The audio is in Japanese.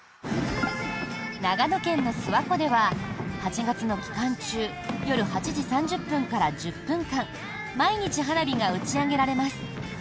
長野県の諏訪湖では８月の期間中夜８時３０分から１０分間毎日、花火が打ち上げられます。